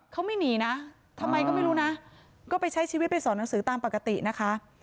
เขาไม่หนีนะทำไมก็ไม่รู้นะก็ไปใช้ชีวิตไปสอนหนังสือตามปกตินะคะ